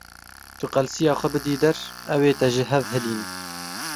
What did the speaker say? Tu qelsiya xwe bidî der, ew ê te ji hev hilînin.